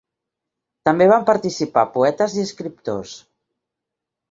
També van participar poetes i escriptors.